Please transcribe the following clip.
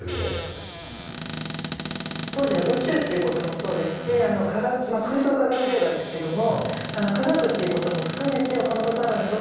当時の宇宙っていうこともそうですしまあ空想科学映画ですけども科学っていうことも含めて岡本太郎にとってはやっぱり前衛ですね。